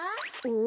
ん？